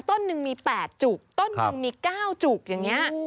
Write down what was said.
ต้นหนึ่งมี๘จุกต้นหนึ่งมี๙จุกอย่างนี้